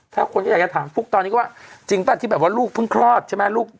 ถ้าคนก็อยากจะถามฟุ๊กตอนนี้ก็ว่าจริงป่ะที่แบบว่าลูกเพิ่งคลอดใช่ไหมลูก